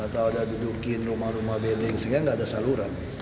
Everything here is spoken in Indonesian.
atau ada dudukin rumah rumah bening sehingga nggak ada saluran